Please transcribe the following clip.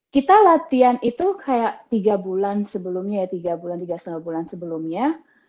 kita latihan itu kayak tiga bulan sebelumnya ya tiga bulan tiga lima bulan sebelumnya